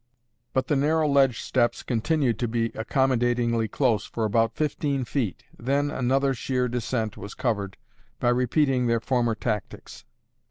But the narrow ledge steps continued to be accommodatingly close for about fifteen feet; then another sheer descent was covered by repeating their former tactics.